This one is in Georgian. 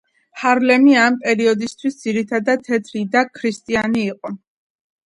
ჰარლემი ამ პერიოდისთვის ძირითადად თეთრი და ქრისტიანი იყო.